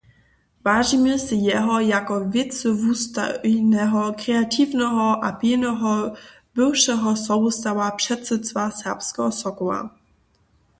Wažimy sej jeho jako wěcywustojneho, kreatiwneho a pilneho bywšeho sobustawa předsydstwa Serbskeho Sokoła.